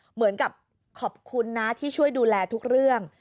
เหมือนกับขอบคุณนะที่ช่วยดูแลทุกเรื่อง